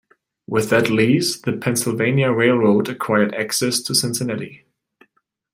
With that lease, the Pennsylvania Railroad acquired access to Cincinnati.